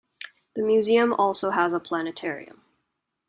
The museum also has a planetarium.